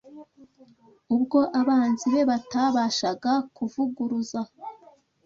ubwo abanzi be batabashaga kuvuguruza,